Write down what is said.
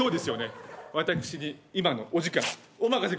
私に今のお時間お任せください。